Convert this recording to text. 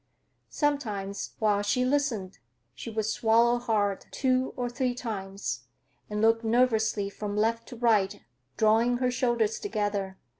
Sometimes, while she listened, she would swallow hard, two or three times, and look nervously from left to right, drawing her shoulders together.